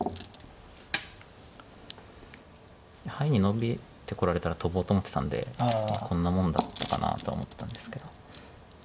ハイにノビてこられたら飛ぼうと思ってたんでこんなもんだったかなとは思ったんですけど。